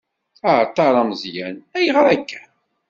Aεeṭṭar ameẓyan: Ayγer akka?